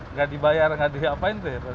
nggak dibayar nggak diapain sih